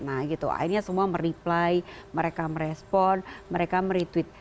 nah gitu akhirnya semua mereply mereka merespon mereka meretweet